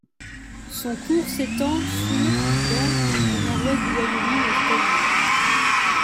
Son cours s'étend sur dans le nord-ouest du Wyoming aux États-Unis.